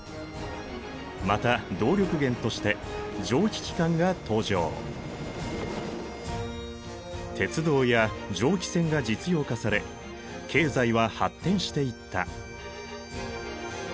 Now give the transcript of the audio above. また鉄道や蒸気船が実用化され経済は発展していった。